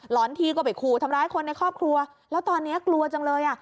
อนทีก็ไปขู่ทำร้ายคนในครอบครัวแล้วตอนนี้กลัวจังเลยอ่ะ